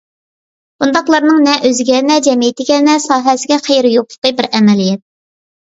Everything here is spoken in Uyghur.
بۇنداقلارنىڭ نە ئۆزىگە، نە جەمئىيىتىگە، نە ساھەسىگە خەيرى يوقلۇقى بىر ئەمەلىيەت.